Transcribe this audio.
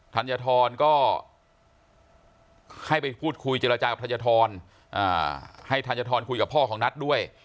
ธัญฑรก็ให้ไปพูดคุยเจรจากับธัญฑรให้ธัญฑรคุยกับพ่อของนัทด้วย